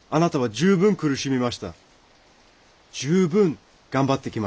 十分頑張ってきました。